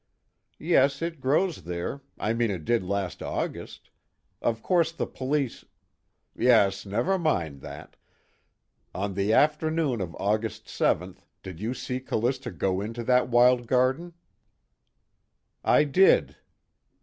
Yes, it grows there I mean it did last August. Of course the police " "Yes, never mind that. On the afternoon of August 7th, did you see Callista go into that wild garden?" "I did."